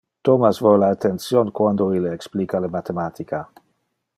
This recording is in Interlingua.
Thomas vole attention quando ille explica le mathematica.